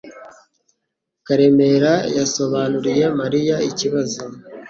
Karemera yasobanuriye Mariya ikibazo.